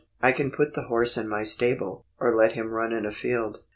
I can put the horse in my stable, or let him run in a field.